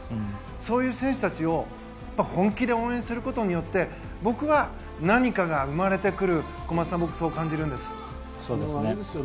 そういう選手たちを本気で応援することによって僕は何かが生まれてくる小松さん、そう感じるんです。